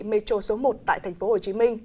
metro số một tại tp hcm